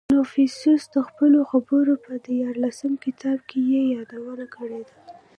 • کنفوسیوس د خپلو خبرو په دیارلسم کتاب کې یې یادونه کړې ده.